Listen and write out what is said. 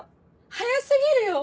早すぎるよ。